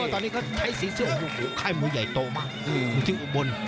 ตอนนี้ก็ใส่สีเสื้อโอ้โหค่ายมัวใหญ่โตมากอืมรู้สึกอูบล